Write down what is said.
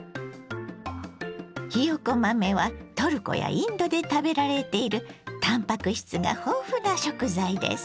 ひよこ豆はトルコやインドで食べられているたんぱく質が豊富な食材です。